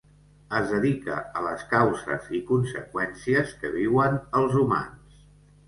Es dedica a les causes i conseqüències que viuen els humans.